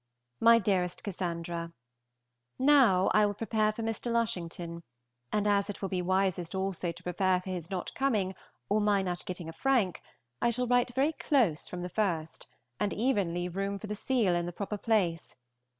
14). MY DEAREST CASSANDRA, Now I will prepare for Mr. Lushington, and as it will be wisest also to prepare for his not coming, or my not getting a frank, I shall write very close from the first, and even leave room for the seal in the proper place.